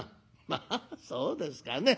「まあそうですかね。